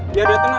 biar dia tengah